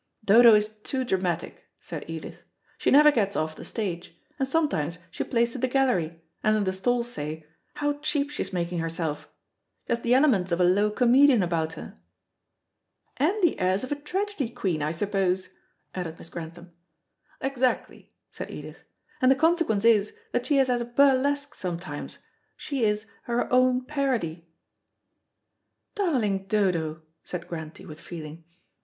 "Dodo is too dramatic," said Edith. "She never gets off the stage; and sometimes she plays to the gallery, and then the stalls say, 'How cheap she's making herself.' She has the elements of a low comedian about her." "And the airs of a tragedy queen, I suppose," added Miss Grantham. "Exactly," said Edith; "and the consequence is that she as a burlesque sometimes: She is her own parody." "Darling Dodo," said Grantie with feeling.